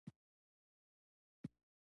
دوو ځوانان ته نڅېدا محرمه ده.